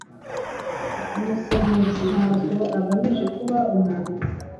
Umusemuzi ntabwo agamije kuba umwanditsi